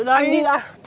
anh đi ra